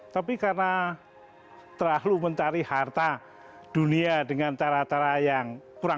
tapi karena terlalu mencari harta dunia dengan cara cara yang kurang